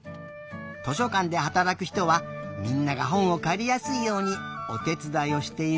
図書かんではたらくひとはみんながほんをかりやすいようにおてつだいをしているんだね。